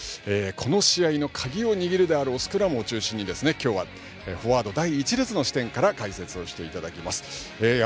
この試合の鍵を握るであろうスクラムを中心に今日はフォワード第１列の視点から解説をしていただきます。